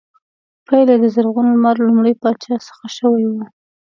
پیل یې د زرغون لمر لومړي پاچا څخه شوی و